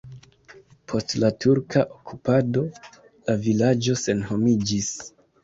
Post la turka okupado la vilaĝo senhomiĝis.